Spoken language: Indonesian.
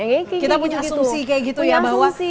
kita punya asumsi kayak gitu ya